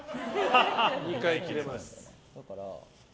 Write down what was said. ２回切れます。